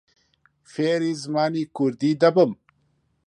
فێری زمانی کوردی دەبم.